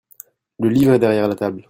Le livre est derrière la table.